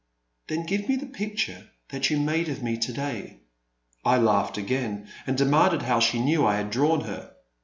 Then give me the picture that you made of me to day." I laughed again, and demanded how she knew I had drawn her.